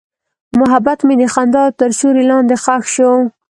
محبت مې د خندا تر سیوري لاندې ښخ شو.